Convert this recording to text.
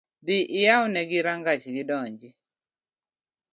Dhii iyawnegi rangach gidonji